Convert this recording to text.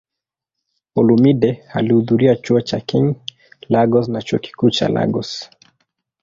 Olumide alihudhuria Chuo cha King, Lagos na Chuo Kikuu cha Lagos.